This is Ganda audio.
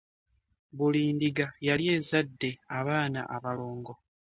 Buli ndiga yali ezadde abaana abalongo.